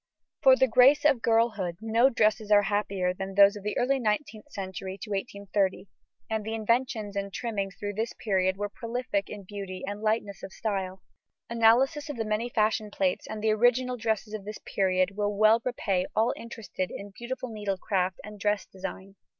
For the grace of girlhood no dresses are happier than those of the early 19th century to 1830, and the inventions in trimmings through this period were prolific in beauty and lightness of style. Analysis of the many fashion plates and original dresses of this period will well repay all interested in beautiful needlecraft and dress design.